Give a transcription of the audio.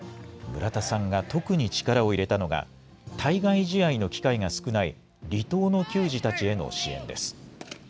村田さんが特に力を入れたのが、対外試合の機会が少ない離島の球児たちへの支援です。